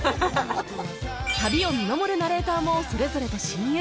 旅を見守るナレーターもそれぞれと親友